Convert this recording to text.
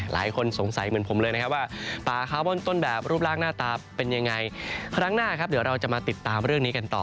หลายคนสงสัยเหมือนผมเลยนะครับว่าปลาคาร์บอนต้นแบบรูปร่างหน้าตาเป็นยังไงครั้งหน้าครับเดี๋ยวเราจะมาติดตามเรื่องนี้กันต่อ